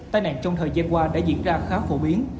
tai nạn trong thời gian qua đã diễn ra khá phổ biến